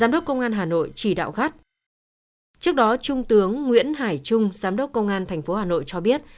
trước đó trung tướng nguyễn hải trung giám đốc công an tp hà nội cho biết